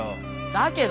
だけど。